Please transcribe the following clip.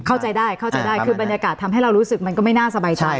เข้าใจได้เข้าใจได้คือบรรยากาศทำให้เรารู้สึกมันก็ไม่น่าสบายใจ